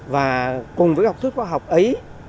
và cùng với học thuyết khoa học ấy